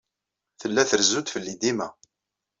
Tella trezzu-d fell-i dima.